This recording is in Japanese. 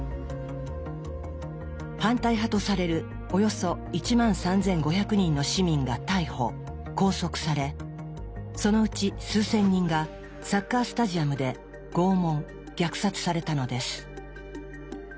反対派とされるおよそ１万３，５００人の市民が逮捕拘束されそのうち数千人がサッカー・スタジアムで拷問虐殺されたのです。